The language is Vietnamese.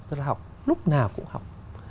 tức là học lúc nào cũng học